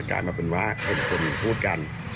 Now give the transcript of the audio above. ลายมาเป็นว่าคนพูดกัน